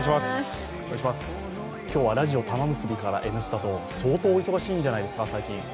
今日はラジオの「たまむすび」から相当お忙しいんじゃないですか、最近？